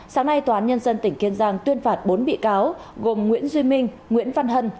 sáng nay tòa án nhân dân tỉnh kiên giang tuyên phạt bốn bị cáo gồm nguyễn duy minh nguyễn văn hân